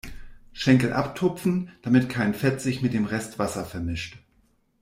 Schenkel abtupfen, damit kein Fett sich mit dem Rest Wasser vermischt.